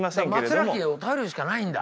松浦家を頼るしかないんだ？